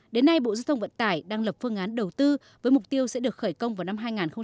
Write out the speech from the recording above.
đến nay bộ giao thông vận tải đang lập phương án đầu tư với mục tiêu sẽ được khởi công vào năm hai nghìn hai mươi